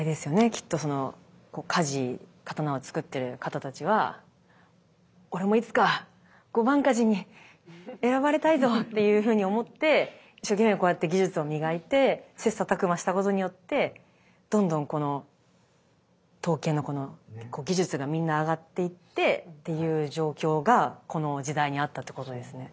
きっとその鍛冶刀をつくってる方たちは「俺もいつか御番鍛冶に選ばれたいぞ！」っていうふうに思って一生懸命こうやって技術を磨いてせっさたくましたことによってどんどんこの刀剣のこの技術がみんな上がっていってっていう状況がこの時代にあったということですね。